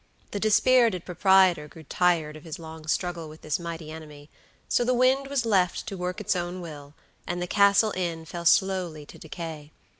The dispirited proprietor grew tired of his long struggle with this mighty enemy; so the wind was left to work its own will, and the Castle Inn fell slowly to decay.